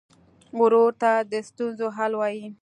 ورور ته د ستونزو حل وايي.